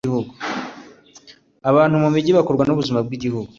abantu mumijyi bakururwa nubuzima bwigihugu